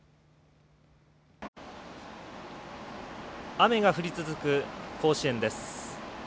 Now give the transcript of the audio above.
雨が降り続く甲子園です。